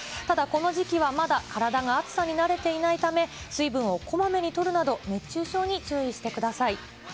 ただ、この時期はまだ体が暑さに慣れていないため、水分をこまめにとるなど、熱中症に注意してください。